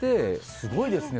すごいですね。